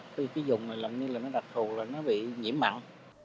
khi sử dụng làm như là đặc thù là nó bị nhiễm mặn